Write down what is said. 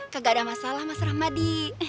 kamu memang pribadi